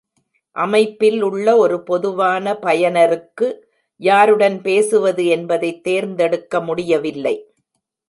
அமைப்பில் உள்ள ஒரு பொதுவான பயனருக்கு யாருடன் பேசுவது என்பதைத் தேர்ந்தெடுக்க முடியவில்லை.